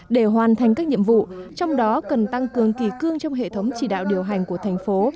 để hoàn thành các nhiệm vụ trong đó cần tăng cường kỳ cương trong hệ thống chỉ đạo điều hành của thành phố